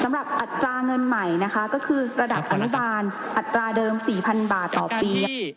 สำหรับอัตราเงินใหม่นะคะก็คือระดับบารอัตราเดิมสี่พันบาทต่อปี